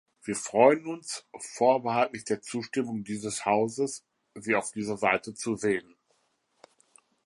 Wir freuen uns, vorbehaltlich der Zustimmung dieses Hauses, Sie auf dieser Seite zu sehen.